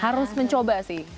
harus mencoba sih